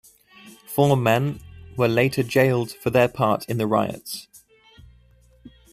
Four men were later jailed for their part in the riots.